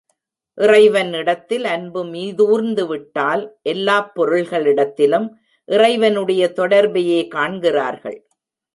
இறைவன் இடத்தில் அன்பு மீதுார்ந்துவிட்டால் எல்லாப் பொருள்களிடத்திலும் இறைவனுடைய தொடர்பையே காண்கிறார்கள்.